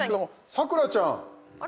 咲楽ちゃん